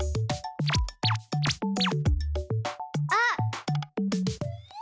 あっ！